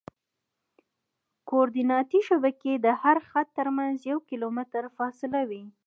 د کورډیناتي شبکې د هر خط ترمنځ یو کیلومتر فاصله وي